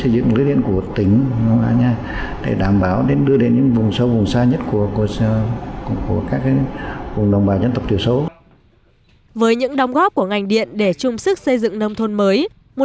với những đóng góp của ngành điện để chung sức xây dựng nông thôn mới